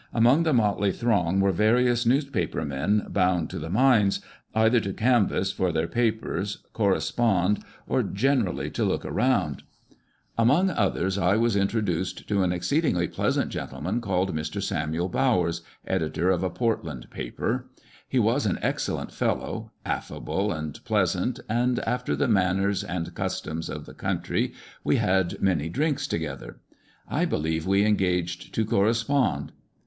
Among the motley throng, were various newspaper men bound to the mines, either to canvass for their papers, correspond, or generally to look around. * Jail. Among others, I was introduced to an exceedingly pleasant gentleman called Mr Samuel Bowers, editor of a Portland paper. He was an excellent fellow, affable and pleasant, and, after the manners and customs of the country, we had many " drinks" together. I believe we engaged to correspond.